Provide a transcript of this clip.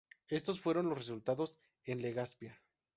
Estos fueron los resultados en Legazpia.